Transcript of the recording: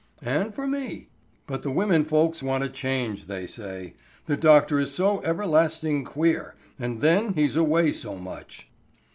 "And for me. But the women folks want a change, they say. The doctor is so everlasting queer; and then he's away so much."